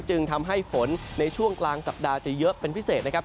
จึงทำให้ฝนในช่วงกลางสัปดาห์จะเยอะเป็นพิเศษนะครับ